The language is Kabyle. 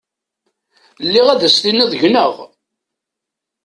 Lliɣ ad s-tiniḍ gneɣ.